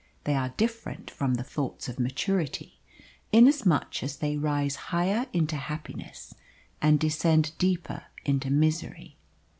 They are different from the thoughts of maturity, inasmuch as they rise higher into happiness and descend deeper into misery.